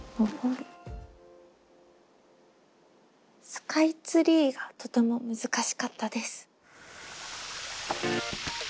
「スカイツリー」がとても難しかったです。